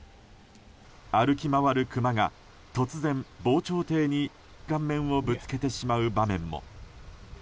歩き回るクマが突然、防潮堤に顔面をぶつけてしまう場面も。